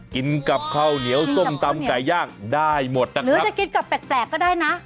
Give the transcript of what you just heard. กินกับข้าวเหนียวส้มตำไก่ย่างได้หมดนะครับหรือจะกินกับแปลกก็ได้นะ